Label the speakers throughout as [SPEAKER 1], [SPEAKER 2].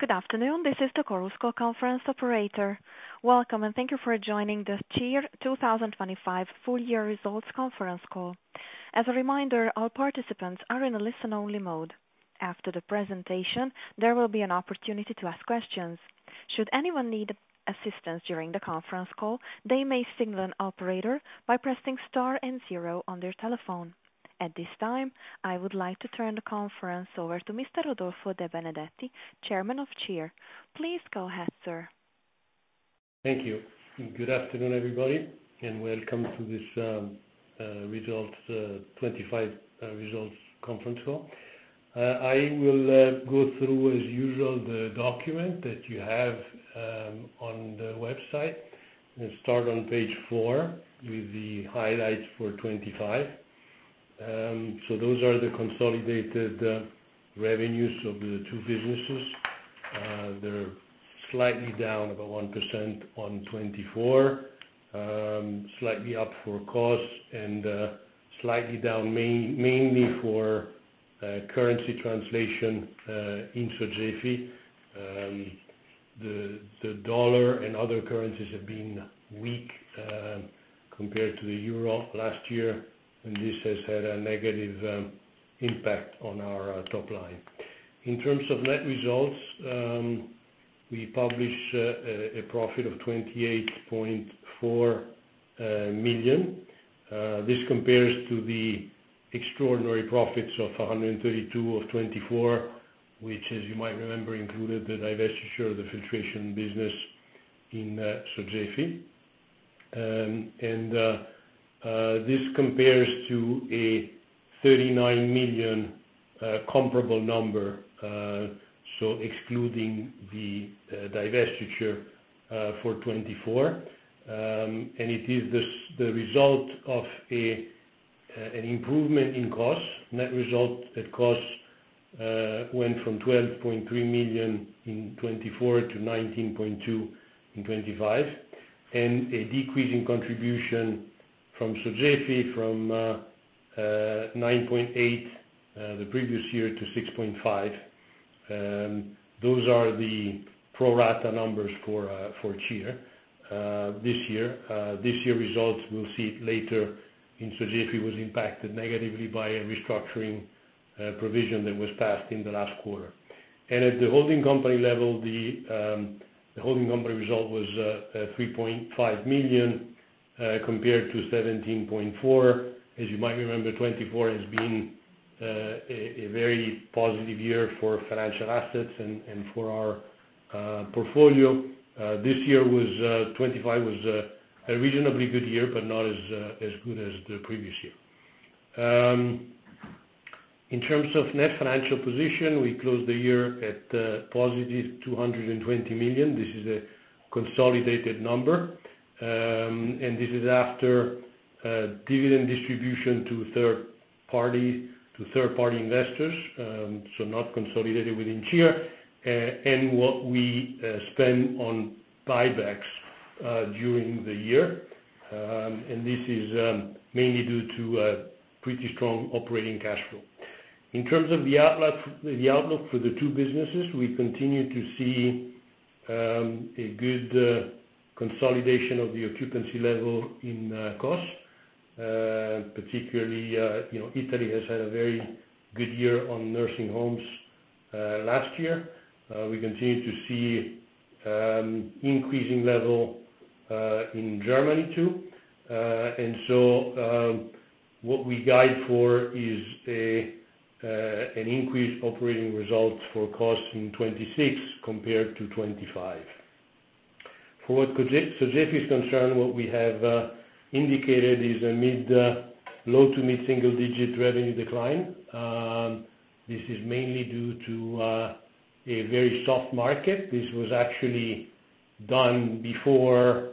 [SPEAKER 1] Good afternoon, this is the Chorus Call conference operator. Welcome, and thank you for joining the CIR 2025 full year results conference call. As a reminder, all participants are in a listen-only mode. After the presentation, there will be an opportunity to ask questions. Should anyone need assistance during the conference call, they may signal an operator by pressing star and zero on their telephone. At this time, I would like to turn the conference over to Mr. Rodolfo De Benedetti, Chairman of CIR. Please go ahead, sir.
[SPEAKER 2] Thank you. Good afternoon, everybody, and welcome to this 2025 results conference call. I will go through as usual the document that you have on the website and start on page four with the highlights for 2025. Those are the consolidated revenues of the two businesses. They're slightly down about 1% on 2024, slightly up for KOS, and slightly down mainly for currency translation in Sogefi. The dollar and other currencies have been weak compared to the euro last year, and this has had a negative impact on our top line. In terms of net results, we publish a profit of 28.4 million.
[SPEAKER 3] This compares to the extraordinary profits of 132 million for 2024, which, as you might remember, included the divestiture of the Filtration business in Sogefi. This compares to a 39 million comparable number. Excluding the divestiture for 2024. It is the result of an improvement in KOS. Net result at KOS went from 12.3 million in 2024 to 19.2 million in 2025, and a decrease in contribution from Sogefi from 9.8 million the previous year to 6.5 million. Those are the pro rata numbers for CIR. This year results we'll see later in Sogefi was impacted negatively by a restructuring provision that was passed in the last quarter.
[SPEAKER 2] At the holding company level, the holding company result was 3.5 million compared to 17.4 million. As you might remember, 2024 as being a very positive year for financial assets and for our portfolio. This year was 2025 a reasonably good year, but not as good as the previous year. In terms of net financial position, we closed the year at positive 220 million. This is a consolidated number. This is after dividend distribution to third party investors, so not consolidated within CIR, and what we spend on buybacks during the year. This is mainly due to a pretty strong operating cash flow. In terms of the outlook for the two businesses, we continue to see a good consolidation of the occupancy level in KOS. Particularly, you know, Italy has had a very good year on nursing homes last year. We continue to see increasing level in Germany too. What we guide for is an increased operating results for KOS in 2026 compared to 2025. For what Sogefi is concerned, what we have indicated is a low- to mid-single-digit revenue decline. This is mainly due to a very soft market. This was actually done before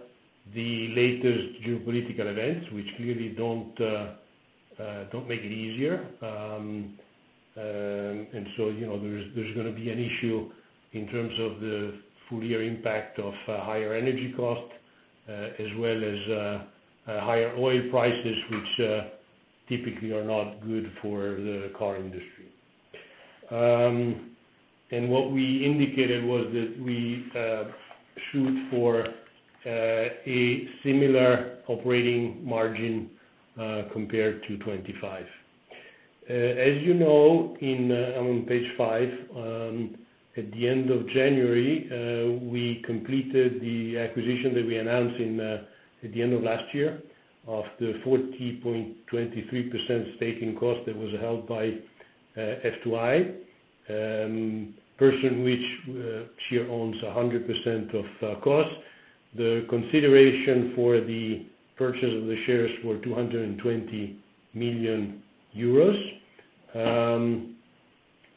[SPEAKER 2] the latest geopolitical events, which clearly don't make it easier. You know, there's gonna be an issue in terms of the full year impact of higher energy costs, as well as higher oil prices, which typically are not good for the car industry. What we indicated was that we shoot for a similar operating margin compared to 2025. As you know, in page five, at the end of January, we completed the acquisition that we announced at the end of last year of the 40.23% stake in KOS that was held by F2i which she owns 100% of KOS. The consideration for the purchase of the shares were 220 million euros.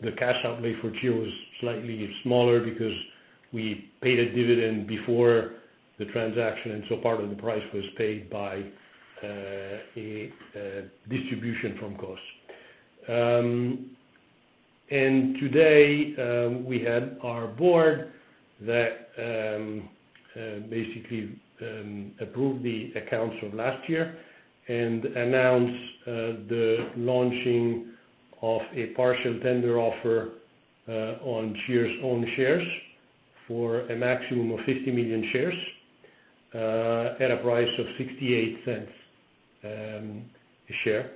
[SPEAKER 2] The cash outlay for CIR was slightly smaller because we paid a dividend before the transaction, and so part of the price was paid by a distribution from KOS. Today we had our board that basically approved the accounts from last year and announced the launching of a partial tender offer on their own shares for a maximum of 50 million shares at a price of 0.68 a share.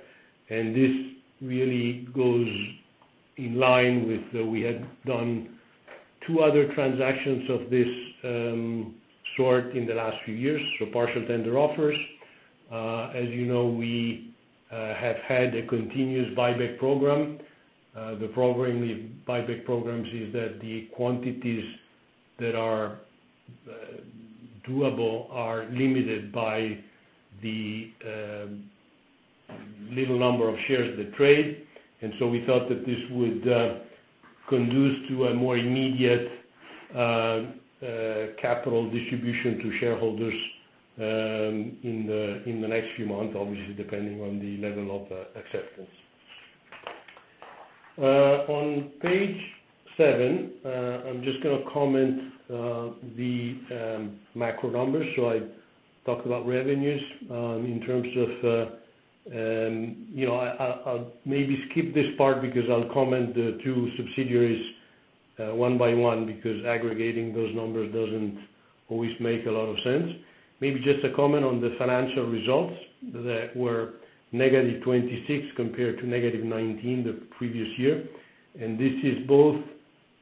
[SPEAKER 2] This really goes in line with we had done two other transactions of this sort in the last few years. Partial tender offers. As you know, we have had a continuous buyback program. The buyback program is that the quantities that are doable are limited by the little number of shares that trade. We thought that this would conduce to a more immediate capital distribution to shareholders in the next few months, obviously, depending on the level of acceptance. On page seven, I'm just gonna comment the macro numbers. I talked about revenues in terms of you know, I'll maybe skip this part because I'll comment the two subsidiaries one by one, because aggregating those numbers doesn't always make a lot of sense. Maybe just a comment on the financial results that were -26 compared to -19 the previous year. This is both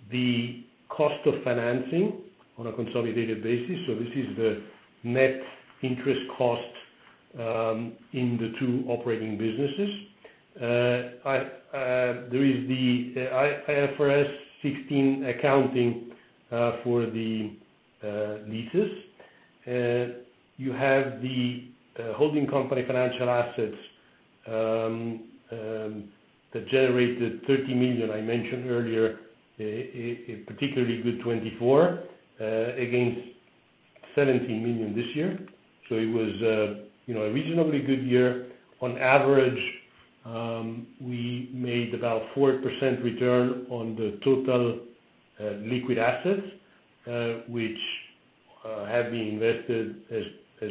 [SPEAKER 2] the cost of financing on a consolidated basis, so this is the net interest cost in the two operating businesses. There is the IFRS 16 accounting for the leases. You have the holding company financial assets that generated 30 million. I mentioned earlier a particularly good 2024 against 17 million this year. It was you know a reasonably good year. On average, we made about 4% return on the total liquid assets which have been invested as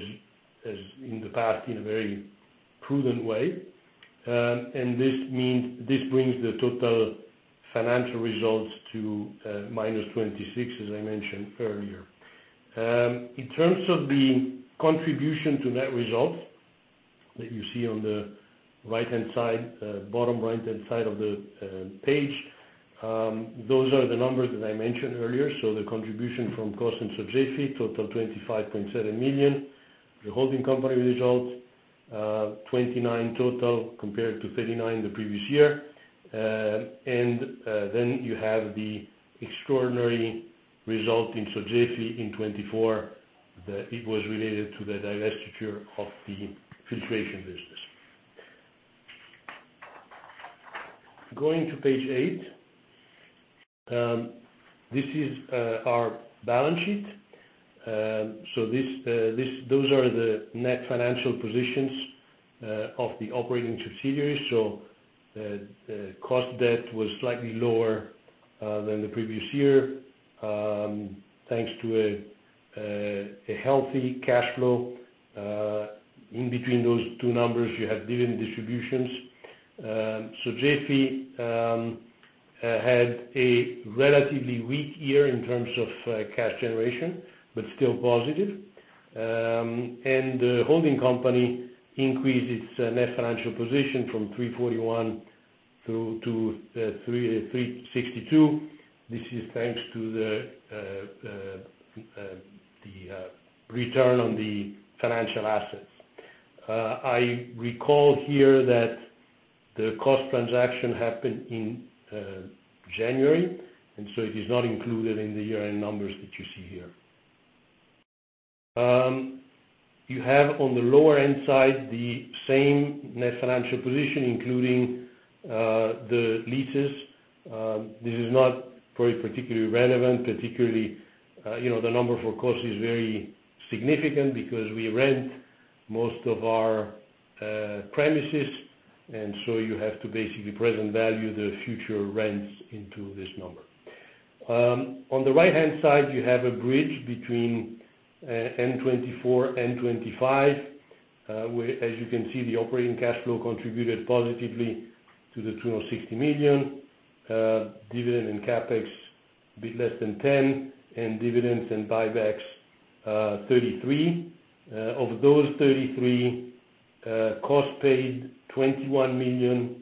[SPEAKER 2] in the past in a very prudent way. This brings the total financial results to -26 million, as I mentioned earlier. In terms of the contribution to net results that you see on the right-hand side, bottom right-hand side of the page, those are the numbers that I mentioned earlier. The contribution from KOS and Sogefi total 25.7 million. The holding company results 29 million total compared to 39 million the previous year. You have the extraordinary result in Sogefi in 2024 that it was related to the divestiture of the Filtration business. Going to page eight. This is our balance sheet. Those are the net financial positions of the operating subsidiaries. Gross debt was slightly lower than the previous year, thanks to a healthy cash flow. In between those two numbers, you have dividend distributions. Sogefi had a relatively weak year in terms of cash generation, but still positive. The holding company increased its net financial position from 341 million through to 362 million. This is thanks to the return on the financial assets. I recall here that the KOS transaction happened in January, and so it is not included in the year-end numbers that you see here. You have on the lower end side the same net financial position, including the leases. This is not very particularly relevant, you know, the number for KOS is very significant because we rent most of our premises, and so you have to basically present value the future rents into this number. On the right-hand side, you have a bridge between end 2024, end 2025. Where, as you can see, the operating cash flow contributed positively to 260 million. Dividend and CapEx, a bit less than 10 million, and dividends and buybacks, 33 million. Of those 33 million, KOS paid 21 million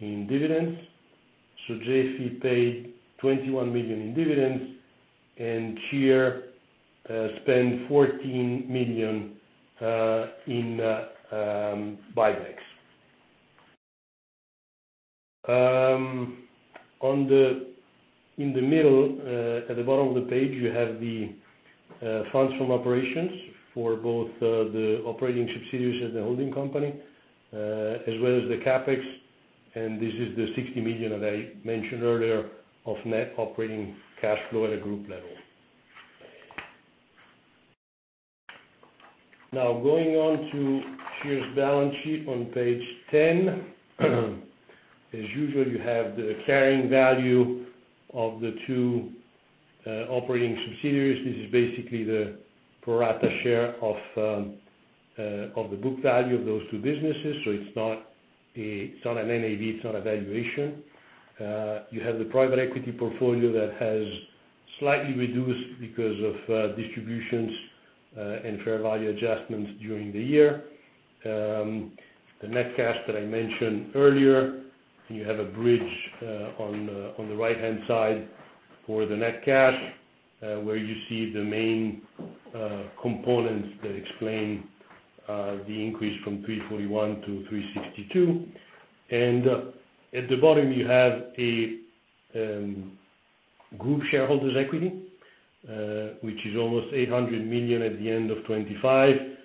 [SPEAKER 2] in dividends. Sogefi paid 21 million in dividends. They spent 14 million in buybacks. In the middle, at the bottom of the page, you have the funds from operations for both the operating subsidiaries and the holding company, as well as the CapEx. This is the 60 million that I mentioned earlier of net operating cash flow at a group level. Now going on to CIR's balance sheet on page 10. As usual, you have the carrying value of the two operating subsidiaries. This is basically the pro rata share of the book value of those two businesses. So it's not an NAV, it's not a valuation. You have the private equity portfolio that has slightly reduced because of distributions and fair value adjustments during the year. The net cash that I mentioned earlier, you have a bridge on the right-hand side for the net cash, where you see the main components that explain the increase from 341 million to 362 million. At the bottom you have a group shareholders equity, which is almost 800 million at the end of 2025,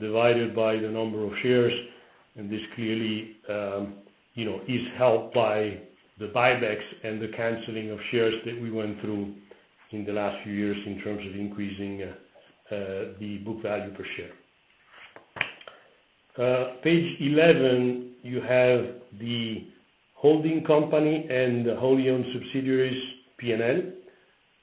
[SPEAKER 2] divided by the number of shares. This clearly, you know, is helped by the buybacks and the canceling of shares that we went through in the last few years in terms of increasing the book value per share. Page 11, you have the holding company and wholly owned subsidiaries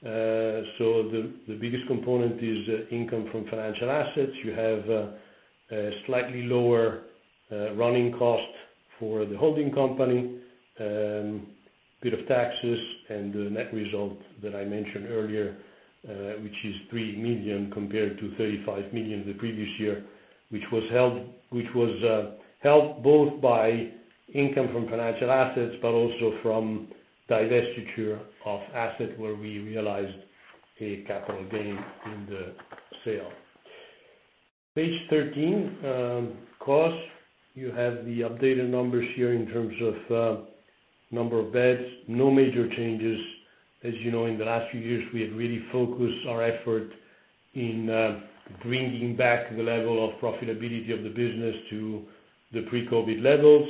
[SPEAKER 2] P&L. The biggest component is income from financial assets. You have a slightly lower running cost for the holding company, bit of taxes and the net result that I mentioned earlier, which is 3 million compared to 35 million the previous year, which was helped both by income from financial assets but also from divestiture of assets where we realized a capital gain in the sale. Page 13, KOS. You have the updated numbers here in terms of number of beds. No major changes. As you know, in the last few years, we had really focused our effort in bringing back the level of profitability of the business to the pre-COVID levels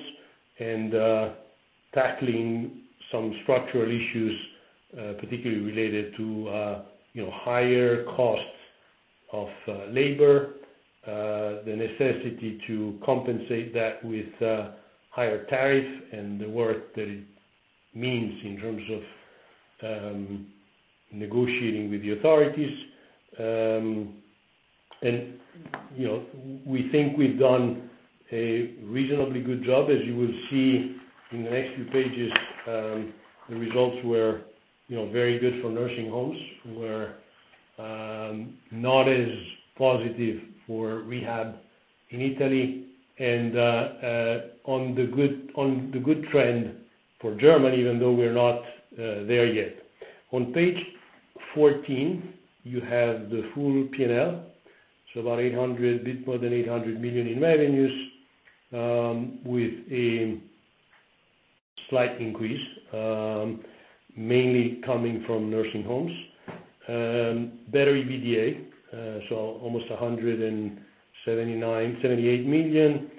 [SPEAKER 2] and tackling some structural issues, particularly related to you know, higher costs of labor, the necessity to compensate that with higher tariffs and the work that it means in terms of negotiating with the authorities. You know, we think we've done a reasonably good job. As you will see in the next few pages, the results were you know, very good for nursing homes, not as positive for rehab in Italy and on the good trend for Germany, even though we're not there yet. On page 14th you have the full P&L, so about 800 million, a bit more than 800 million in revenues, with a slight increase, mainly coming from nursing homes. Better EBITDA, so almost 178 million.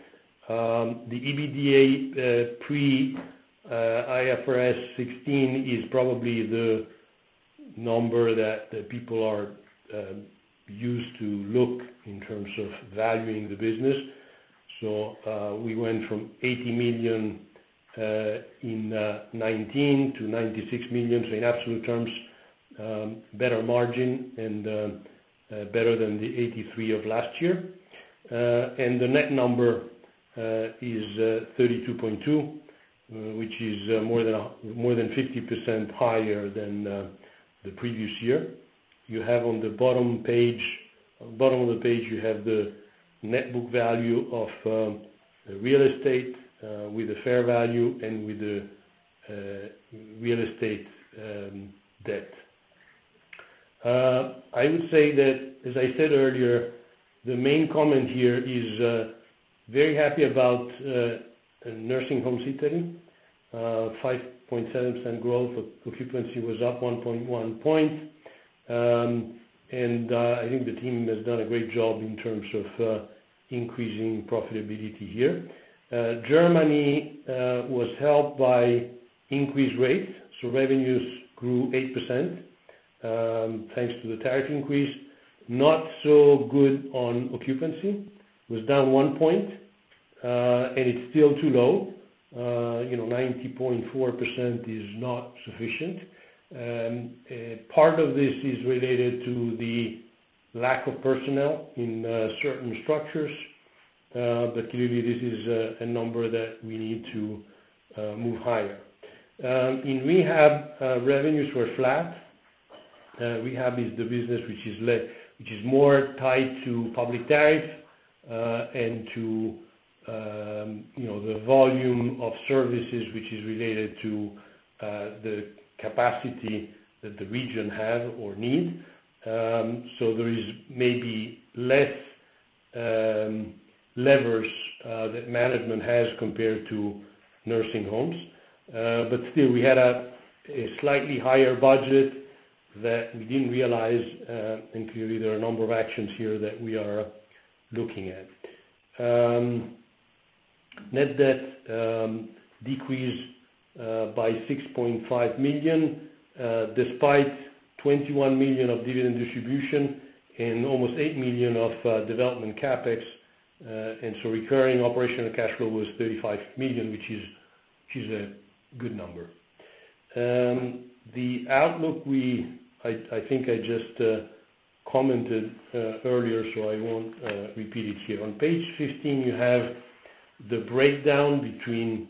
[SPEAKER 2] The EBITDA pre IFRS 16 is probably the number that people are used to look at in terms of valuing the business. We went from 80 million in 2019 to 96 million. In absolute terms, better margin and better than the 83 million of last year. The net number is 32.2 million, which is more than 50% higher than the previous year. You have on the bottom page. Bottom of the page, you have the net book value of real estate with a fair value and with the real estate debt. I would say that as I said earlier, the main comment here is very happy about nursing homes in Italy. 5.7% growth, occupancy was up one point. I think the team has done a great job in terms of increasing profitability here. Germany was helped by increased rates, so revenues grew 8% thanks to the tariff increase. Not so good on occupancy. Was down one point, and it's still too low. You know, 90.4% is not sufficient. Part of this is related to the lack of personnel in certain structures. Clearly this is a number that we need to move higher. In rehab revenues were flat. Rehab is the business which is more tied to public tariffs and to, you know, the volume of services, which is related to the capacity that the region have or need. So there is maybe less levers that management has compared to nursing homes. Still we had a slightly higher budget that we didn't realize. Clearly there are a number of actions here that we are looking at. Net debt decreased by 6.5 million despite 21 million of dividend distribution and almost 8 million of development CapEx. Recurring operational cash flow was 35 million, which is a good number. The outlook, I think I just commented earlier, so I won't repeat it here. On page 15, you have the breakdown between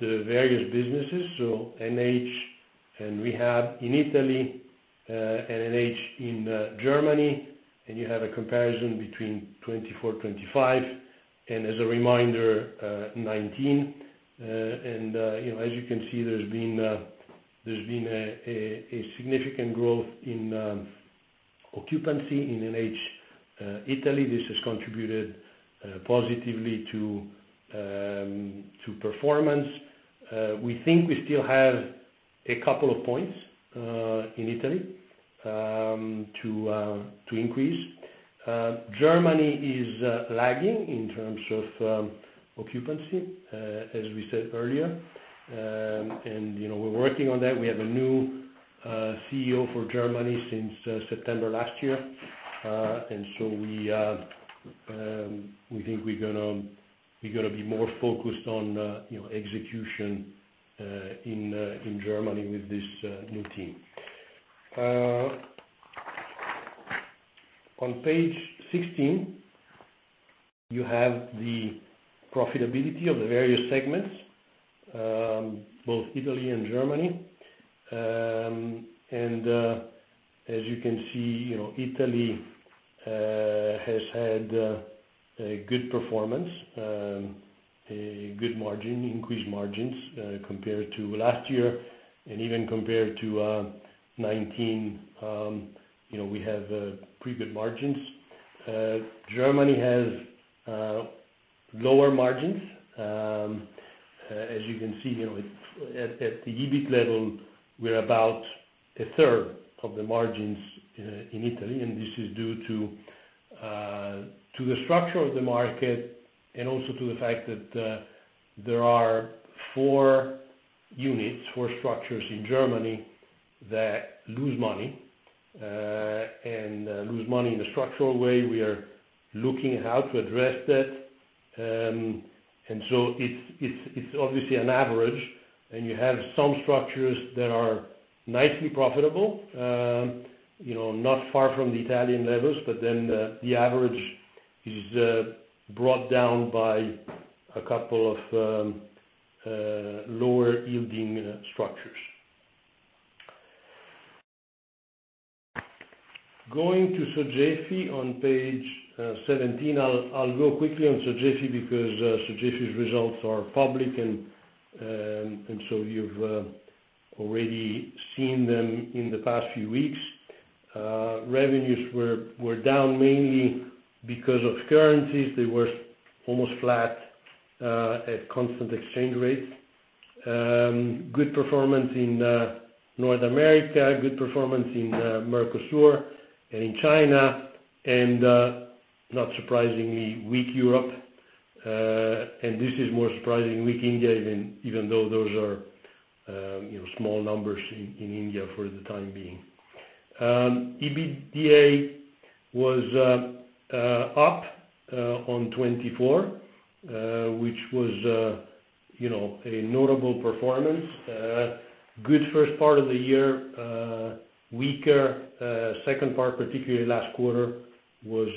[SPEAKER 2] the various businesses, so NH and rehab in Italy, and NH in Germany, and you have a comparison between 2024, 2025, and as a reminder, 2019. You know, as you can see, there's been a significant growth in occupancy in NH, Italy. This has contributed positively to performance. We think we still have a couple of points in Italy to increase. Germany is lagging in terms of occupancy, as we said earlier. You know, we're working on that. We have a new CEO for Germany since September last year. We think we're gonna be more focused on, you know, execution in Germany with this new team. On page 16, you have the profitability of the various segments, both Italy and Germany. As you can see, you know, Italy has had a good performance, a good margin, increased margins compared to last year. Even compared to 2019, you know, we have pretty good margins. Germany has lower margins. As you can see, you know, it's at the EBIT level, we're about a third of the margins in Italy, and this is due to the structure of the market and also to the fact that there are four structures in Germany that lose money and lose money in a structural way. We are looking at how to address that. It's obviously an average, and you have some structures that are nicely profitable, you know, not far from the Italian levels, but then the average is brought down by a couple of lower yielding structures. Going to Sogefi on page 17. I'll go quickly on Sogefi because Sogefi's results are public and you've already seen them in the past few weeks. Revenues were down mainly because of currencies. They were almost flat at constant exchange rates. Good performance in North America, good performance in Mercosur and in China, and not surprisingly, weak Europe. This is more surprising, weak India, even though those are you know small numbers in India for the time being. EBITDA was up 24% which was you know a notable performance. Good first part of the year, weaker second part, particularly last quarter was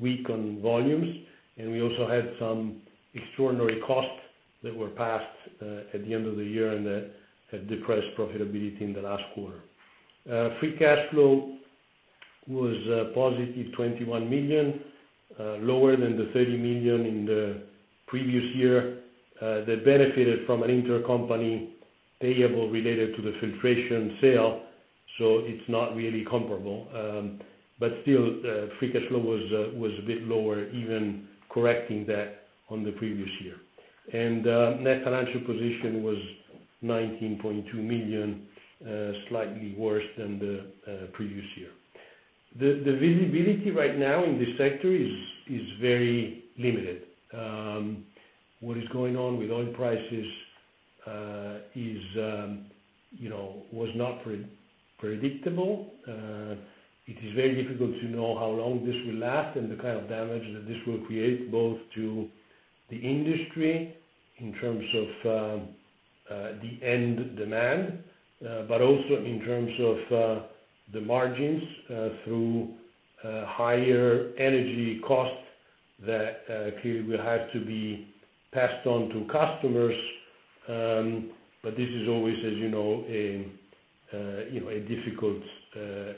[SPEAKER 2] weak on volumes. We also had some extraordinary costs that were passed at the end of the year, and that had depressed profitability in the last quarter. Free cash flow was positive 21 million lower than the 30 million in the previous year. That benefited from an intercompany payable related to the Filtration sale, so it's not really comparable. Still, free cash flow was a bit lower, even correcting that on the previous year. Net financial position was 19.2 million, slightly worse than the previous year. The visibility right now in this sector is very limited. What is going on with oil prices is, you know, was not predictable. It is very difficult to know how long this will last and the kind of damage that this will create, both to the industry in terms of the end demand, but also in terms of the margins, through higher energy costs that will have to be passed on to customers. This is always, as you know, a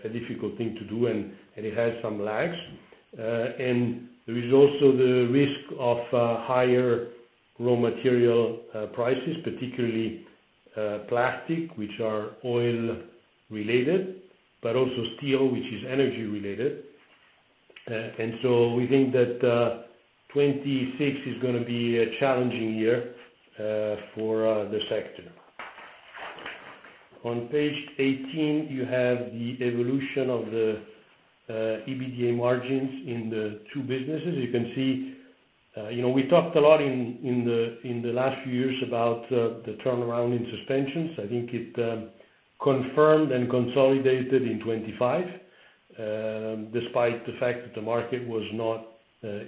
[SPEAKER 2] difficult thing to do, and it has some lags. There is also the risk of higher raw material prices, particularly plastic, which are oil-related, but also steel, which is energy-related. We think that 2026 is gonna be a challenging year for the sector. On page 18, you have the evolution of the EBITDA margins in the two businesses. You can see, you know, we talked a lot in the last few years about the turnaround in Suspensions. I think it confirmed and consolidated in 2025, despite the fact that the market was not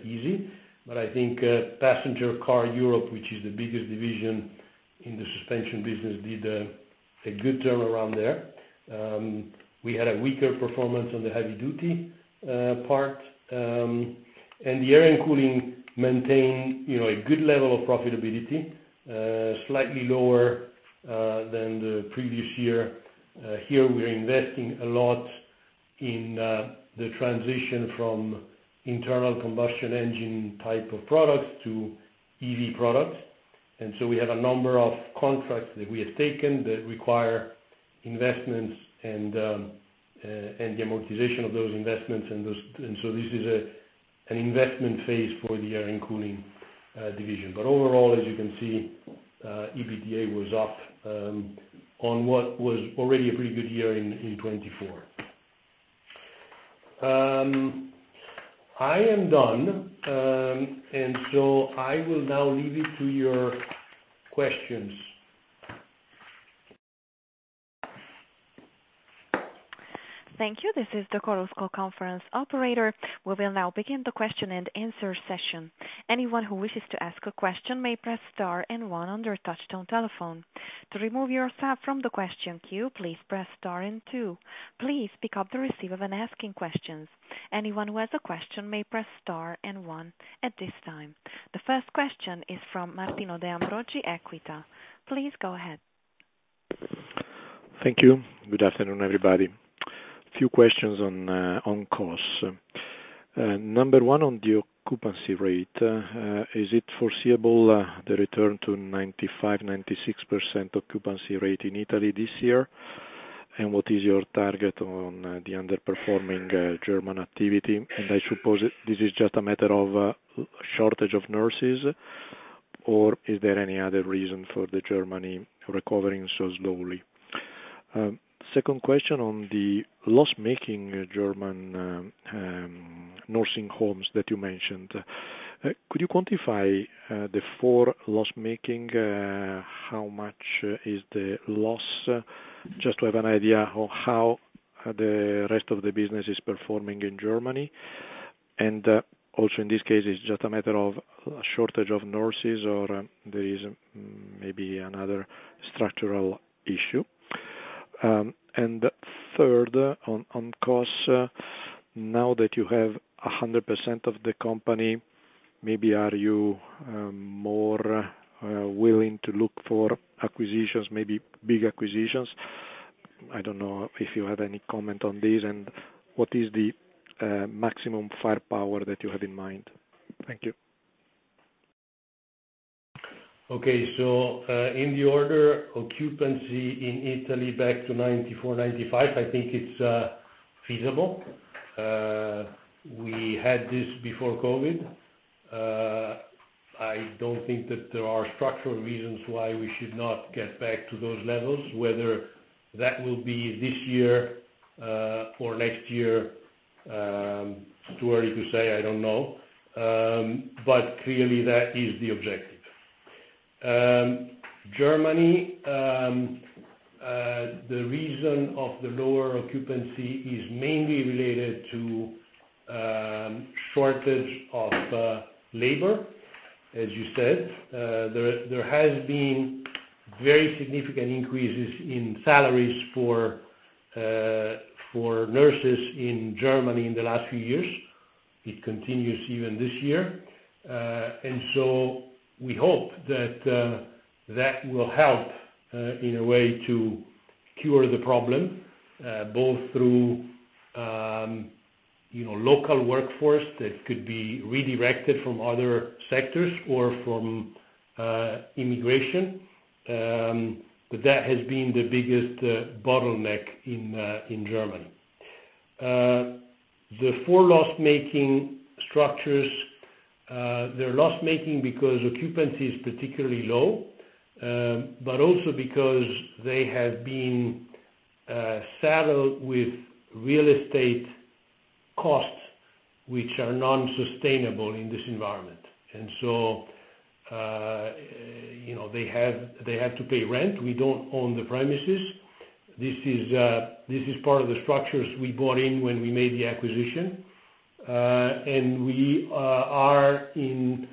[SPEAKER 2] easy. I think passenger car Europe, which is the biggest division in the Suspensions business, did a good turnaround there. We had a weaker performance on the Heavy Duty part. The Air & Cooling maintained, you know, a good level of profitability, slightly lower than the previous year. Here, we're investing a lot in the transition from internal combustion engine type of products to EV products. We have a number of contracts that we have taken that require investments and the amortization of those investments. This is an investment phase for the Air & Cooling division. Overall, as you can see, EBITDA was up on what was already a pretty good year in 2024. I am done. I will now leave it to your questions.
[SPEAKER 1] Thank you. This is the conference call operator. We will now begin the question and answer session. Anyone who wishes to ask a question may press star and one on their touchtone telephone. To remove yourself from the question queue, please press star and two. Please pick up the receiver when asking questions. Anyone who has a question may press star and one at this time. The first question is from Martino De Ambroggi, EQUITA. Please go ahead.
[SPEAKER 3] Thank you. Good afternoon, everybody. Few questions on costs. Number one on the occupancy rate. Is it foreseeable the return to 95%-96% occupancy rate in Italy this year? What is your target on the underperforming German activity? I suppose this is just a matter of shortage of nurses, or is there any other reason for Germany recovering so slowly? Second question on the loss-making German nursing homes that you mentioned. Could you quantify the four loss-making, how much is the loss? Just to have an idea of how the rest of the business is performing in Germany. Also in this case, it's just a matter of shortage of nurses or there is maybe another structural issue. Third, on KOS, now that you have 100% of the company, maybe are you more willing to look for acquisitions, maybe big acquisitions? I don't know if you have any comment on this and what is the maximum firepower that you have in mind. Thank you.
[SPEAKER 2] The occupancy in Italy back to 94%-95%, I think it's feasible. We had this before COVID. I don't think that there are structural reasons why we should not get back to those levels, whether that will be this year or next year, too early to say, I don't know. Clearly, that is the objective. Germany, the reason for the lower occupancy is mainly related to shortage of labor, as you said. There has been very significant increases in salaries for nurses in Germany in the last few years. It continues even this year. We hope that will help in a way to cure the problem both through you know local workforce that could be redirected from other sectors or from immigration. That has been the biggest bottleneck in Germany. The four loss-making structures, they're loss-making because occupancy is particularly low, but also because they have been saddled with real estate costs, which are non-sustainable in this environment. You know, they have to pay rent. We don't own the premises. This is part of the structures we bought in when we made the acquisition. We are in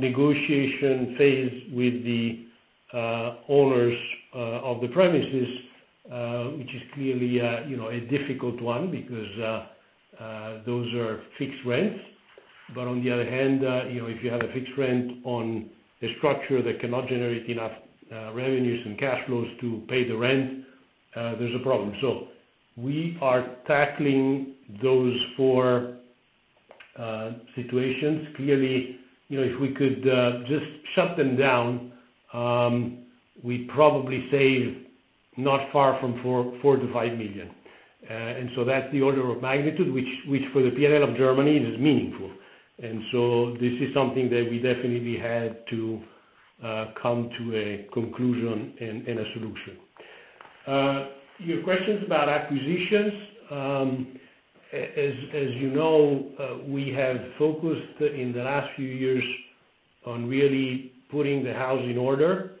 [SPEAKER 2] negotiation phase with the owners of the premises, which is clearly, you know, a difficult one because those are fixed rents. On the other hand, you know, if you have a fixed rent on a structure that cannot generate enough revenues and cash flows to pay the rent, there's a problem. We are tackling those four situations. Clearly, you know, if we could just shut them down, we'd probably save not far from 4 million-5 million. That's the order of magnitude which for the P&L of Germany is meaningful. This is something that we definitely had to come to a conclusion and a solution. Your questions about acquisitions, as you know, we have focused in the last few years on really putting the house in order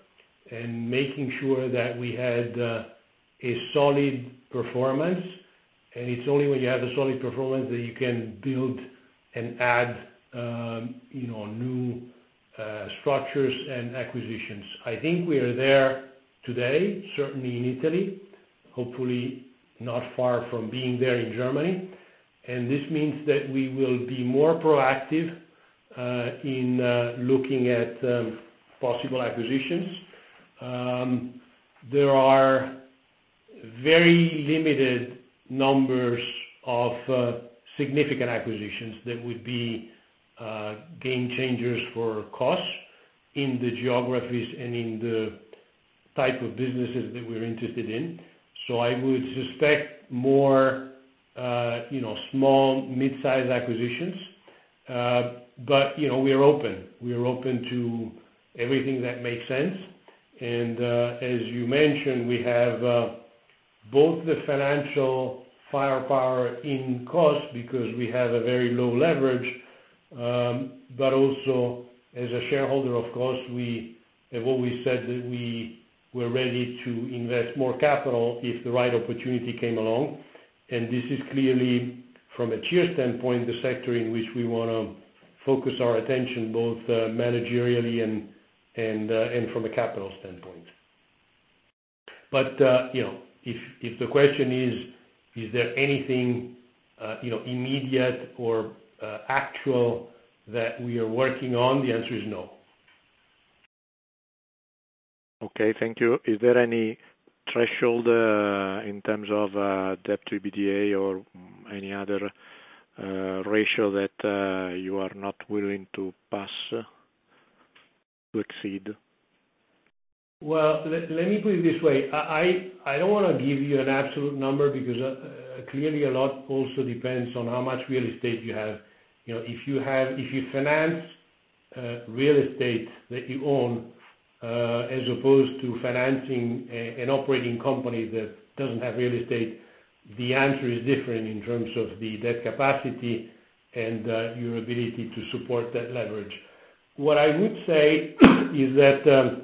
[SPEAKER 2] and making sure that we had a solid performance. It's only when you have a solid performance that you can build and add, you know, new structures and acquisitions. I think we are there today, certainly in Italy, hopefully not far from being there in Germany. This means that we will be more proactive in looking at possible acquisitions. There are very limited numbers of significant acquisitions that would be game changers for KOS in the geographies and in the type of businesses that we're interested in. I would suspect more, you know, small mid-sized acquisitions. But, you know, we are open. We are open to everything that makes sense. As you mentioned, we have both the financial firepower in KOS because we have a very low leverage, but also as a shareholder, of course, we have always said that we were ready to invest more capital if the right opportunity came along. This is clearly from a tier standpoint, the sector in which we wanna focus our attention both managerially and from a capital standpoint. You know, if the question is there anything you know immediate or actual that we are working on, the answer is no.
[SPEAKER 3] Okay, thank you. Is there any threshold in terms of debt to EBITDA or any other ratio that you are not willing to pass to exceed?
[SPEAKER 2] Well, let me put it this way. I don't wanna give you an absolute number because clearly a lot also depends on how much real estate you have. You know, if you finance real estate that you own as opposed to financing an operating company that doesn't have real estate, the answer is different in terms of the debt capacity and your ability to support that leverage. What I would say is that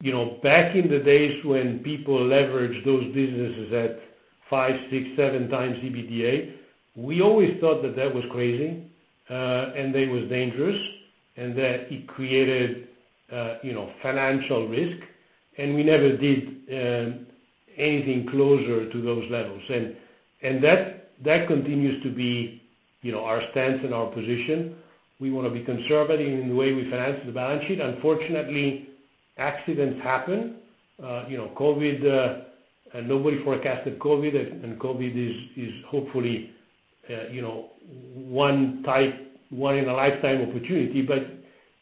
[SPEAKER 2] you know, back in the days when people leveraged those businesses at five, six, seven times EBITDA, we always thought that that was crazy and that it was dangerous, and that it created you know, financial risk, and we never did anything closer to those levels. That continues to be our stance and our position. We wanna be conservative in the way we finance the balance sheet. Unfortunately, accidents happen. You know, COVID, and nobody forecasted COVID, and COVID is hopefully one in a lifetime opportunity.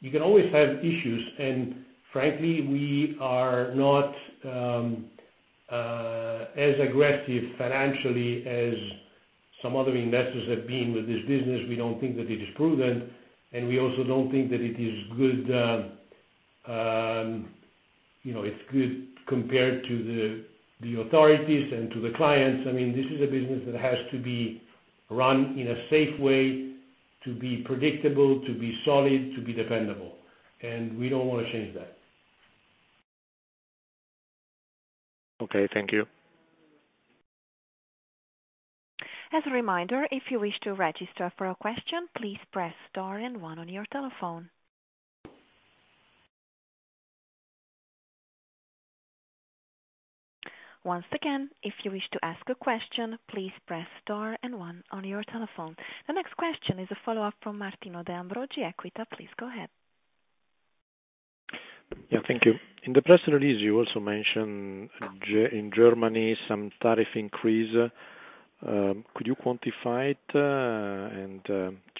[SPEAKER 2] You can always have issues. Frankly, we are not as aggressive financially as some other investors have been with this business. We don't think that it is prudent, and we also don't think that it is good, you know, it's good compared to the authorities and to the clients. I mean, this is a business that has to be run in a safe way to be predictable, to be solid, to be dependable, and we don't wanna change that.
[SPEAKER 3] Okay, thank you.
[SPEAKER 1] As a reminder, if you wish to register for a question, please press star and one on your telephone. Once again, if you wish to ask a question, please press star and one on your telephone. The next question is a follow-up from Martino De Ambroggi, EQUITA. Please go ahead.
[SPEAKER 3] Yeah, thank you. In the press release, you also mentioned in Germany some tariff increase. Could you quantify it, and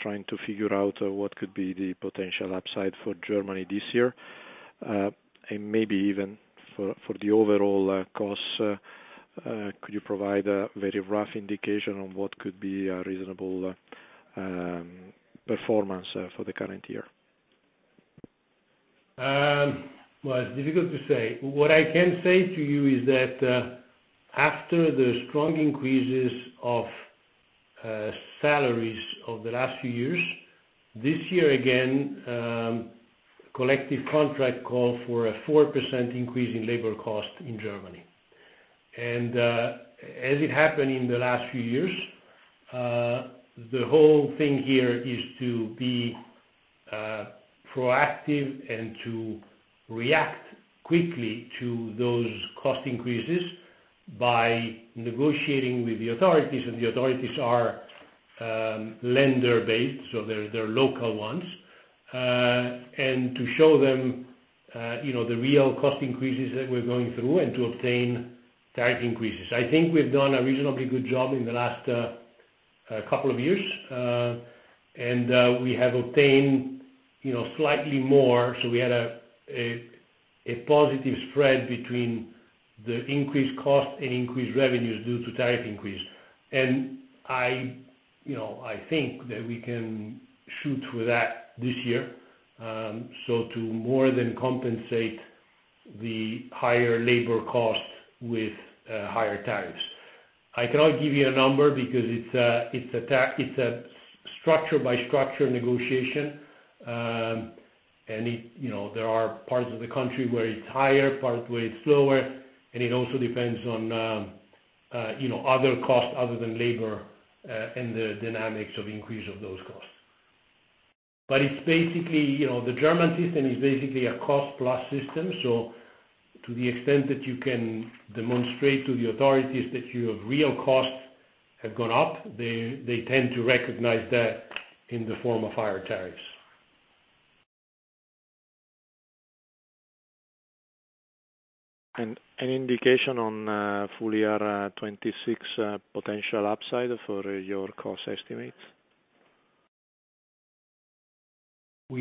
[SPEAKER 3] trying to figure out what could be the potential upside for Germany this year? And maybe even for the overall KOS, could you provide a very rough indication on what could be a reasonable performance for the current year?
[SPEAKER 2] Well, it's difficult to say. What I can say to you is that after the strong increases of salaries over the last few years, this year again, the collective contract calls for a 4% increase in labor costs in Germany. As it happened in the last few years, the whole thing here is to be proactive and to react quickly to those cost increases by negotiating with the authorities, and the authorities are landlord-based, so they're local ones. To show them, you know, the real cost increases that we're going through and to obtain tariff increases. I think we've done a reasonably good job in the last couple of years, and we have obtained, you know, slightly more. We had a positive spread between the increased costs and increased revenues due to tariff increase. I know, I think that we can shoot for that this year, so to more than compensate the higher labor costs with higher tariffs. I cannot give you a number because it's a structure by structure negotiation. You know, there are parts of the country where it's higher, parts where it's lower, and it also depends on other costs other than labor, and the dynamics of increase of those costs. It's basically, you know, the German system is basically a cost-plus system. To the extent that you can demonstrate to the authorities that your real costs have gone up, they tend to recognize that in the form of higher tariffs.
[SPEAKER 3] An indication on full year 2026 potential upside for your KOS estimates.
[SPEAKER 2] As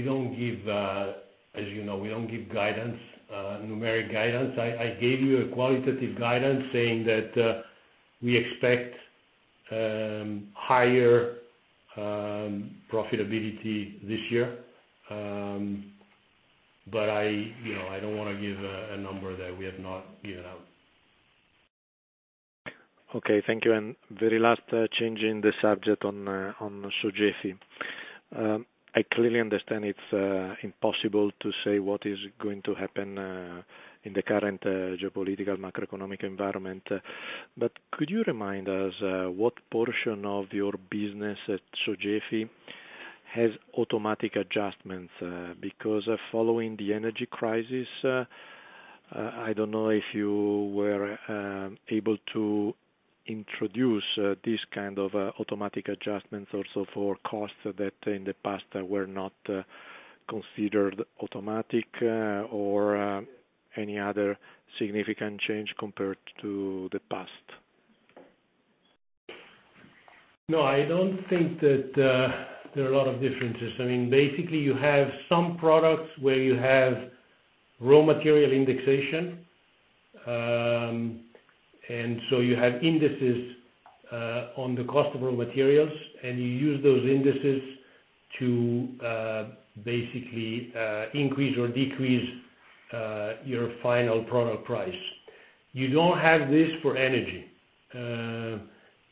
[SPEAKER 2] you know, we don't give guidance, numeric guidance. I gave you a qualitative guidance saying that we expect higher profitability this year. You know, I don't wanna give a number that we have not given out.
[SPEAKER 3] Okay. Thank you. Very last, changing the subject on Sogefi. I clearly understand it's impossible to say what is going to happen in the current geopolitical macroeconomic environment. Could you remind us what portion of your business at Sogefi has automatic adjustments? Because following the energy crisis, I don't know if you were able to introduce this kind of automatic adjustments also for KOS that in the past were not considered automatic, or any other significant change compared to the past.
[SPEAKER 2] No, I don't think that there are a lot of differences. I mean, basically you have some products where you have raw material indexation. You have indices on the KOS of raw materials, and you use those indices to basically increase or decrease your final product price. You don't have this for energy.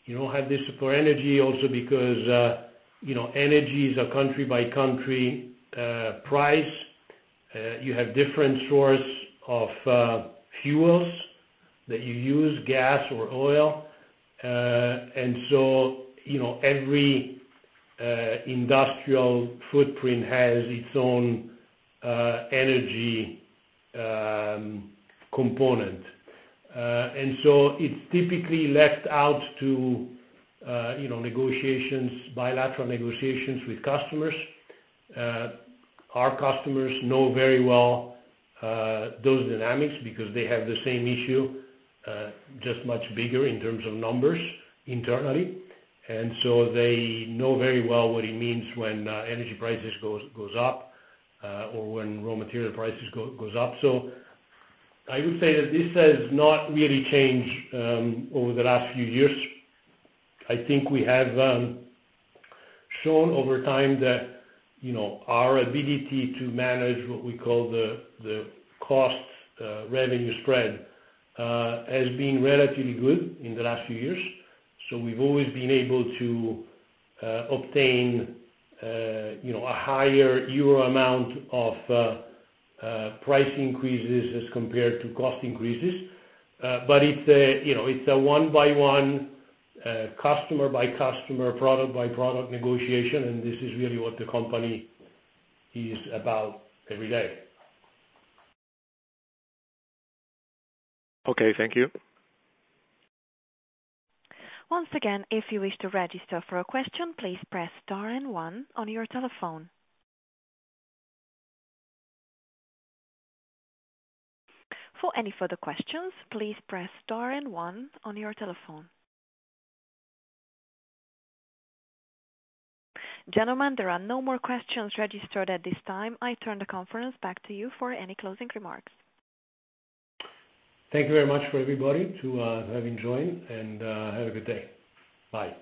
[SPEAKER 2] You don't have this for energy also because you know, energy is a country by country price. You have different source of fuels that you use, gas or oil. You know, every industrial footprint has its own energy component. It's typically left out to you know, negotiations, bilateral negotiations with customers. Our customers know very well those dynamics because they have the same issue, just much bigger in terms of numbers internally. They know very well what it means when energy prices goes up or when raw material prices goes up. I would say that this has not really changed over the last few years. I think we have shown over time that, you know, our ability to manage what we call the cost revenue spread has been relatively good in the last few years. We've always been able to obtain, you know, a higher euro amount of price increases as compared to cost increases. It's a one by one, you know, customer by customer, product by product negotiation, and this is really what the company is about every day.
[SPEAKER 3] Okay, thank you.
[SPEAKER 1] Once again, if you wish to register for a question, please press star and one on your telephone. For any further questions, please press star and one on your telephone. Gentlemen, there are no more questions registered at this time. I turn the conference back to you for any closing remarks.
[SPEAKER 2] Thank you very much to everybody for having joined and have a good day. Bye.